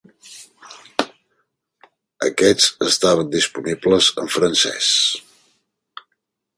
Aquests estaven disponibles en francès.